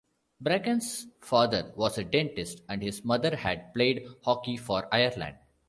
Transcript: Bracken's father was a dentist and his mother had played hockey for Ireland.